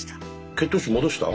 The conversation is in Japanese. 血糖値戻した？